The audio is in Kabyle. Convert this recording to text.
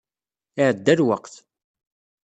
Iɛedda lweqt.